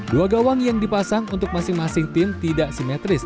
dua gawang yang dipasang untuk masing masing tim tidak simetris